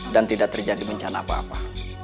dan tidak terjadi bencana apa apa